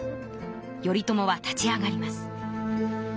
頼朝は立ち上がります。